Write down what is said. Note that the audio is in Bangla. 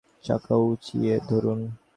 চাকা উঁচিয়ে ধরুন।